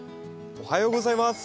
おはようございます。